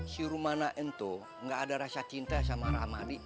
si rumana ento gak ada rasa cinta sama ramadi